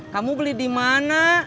kamu beli dimana